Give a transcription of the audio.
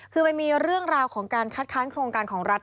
คือมันมีเรื่องราวของการคัดค้านโครงการของรัฐ